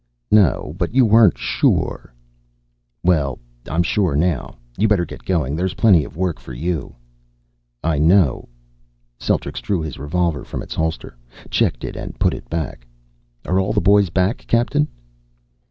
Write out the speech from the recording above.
"No, but you weren't sure." "Well, I'm sure now. You'd better get going. There's plenty of work for you." "I know." Celtrics drew his revolver from its holster, checked it and put it back. "Are all the boys back, Captain?"